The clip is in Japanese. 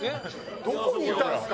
どこにいたんですか？